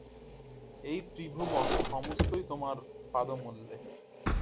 এই ত্রিভুবন সমস্তই তোমার পাদমূলে।